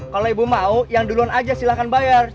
kalau ibu mau yang duluan aja silahkan bayar